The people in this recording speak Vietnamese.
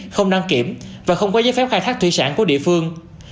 không đăng kiểm và không có giấy phép khai thác thủy sản của địa phương